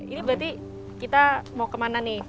ini berarti kita mau kemana nih